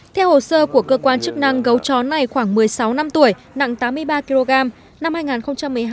theo hồ sơ của cơ quan chức năng gấu chó này khoảng một mươi sáu năm tuổi nặng tám mươi ba kg năm hai nghìn một mươi hai